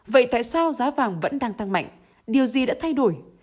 vậy tại sao giá vàng vẫn đang tăng mạnh điều gì đã thay đổi